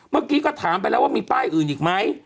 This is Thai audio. เมื่อกี้ก็ถามไปแล้วว่ามีป้ายอื่นอีกไหม